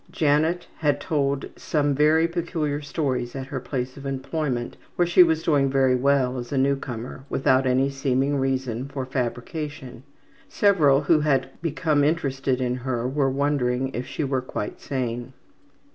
Janet had told some very peculiar stories at her place of employment where she was doing very well as a newcomer, without any seeming reason for fabrication. Several who had become interested in her were wondering if she were quite sane.